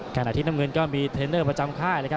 การอาทิตย์น้ำเงินก็มีเทรนเนอร์ประจำค่ายนะครับ